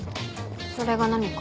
それが何か？